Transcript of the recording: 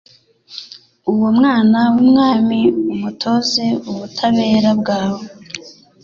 uwo mwana w’umwami umutoze ubutabera bwawe